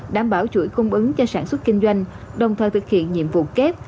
đảm bảo chuỗi cung ứng cho sản xuất kinh doanh đồng thời thực hiện nhiệm vụ kép